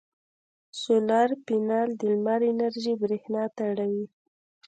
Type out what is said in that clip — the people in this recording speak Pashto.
سولر پینل د لمر انرژي برېښنا ته اړوي.